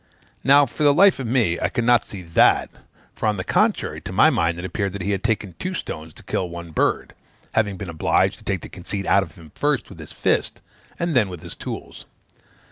Now, for the life of me, I could not see that; for, on the contrary, to my mind it appeared that he had taken two stones to kill one bird, having been obliged to take the conceit out of him first with his fist, and then with his tools.